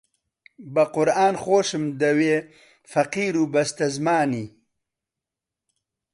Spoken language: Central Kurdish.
بە قورئان خۆشم دەوێ فەقیر و بەستەزمانی